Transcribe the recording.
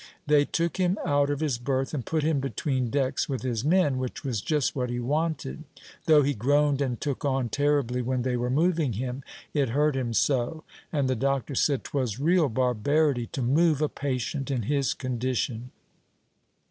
They took him out of his berth, and put him between decks with his men, which was just what he wanted, though he groaned and took on terribly when they were moving him, it hurt him so; and the doctor said 'twas real barbarity to move a patient in his condition.